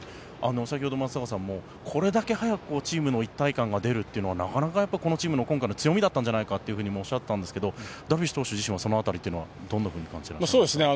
先ほど松坂さんもこれだけ早くチームの一体感が出るというのはなかなかこのチームの今回の強みだったんじゃないかなとおっしゃっていたんですがダルビッシュ投手はその辺りはどう感じていらっしゃいますか。